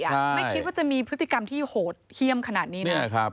ไม่คิดว่าจะมีพฤติกรรมที่โหดเยี่ยมขนาดนี้นะครับ